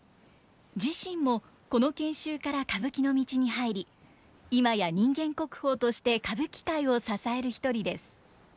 自身もこの研修から歌舞伎の道に入り今や人間国宝として歌舞伎界を支える一人です。